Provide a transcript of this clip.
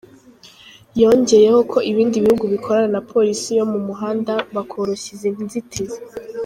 Yongeyeho ko ibindi bihugu bikorana na Polisi yo mu muhanda bakoroshya izi nzitizi.